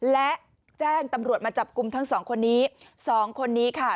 และแจ้งตำรวจมาจับกลุ่มทั้งสองคนนี้สองคนนี้ค่ะ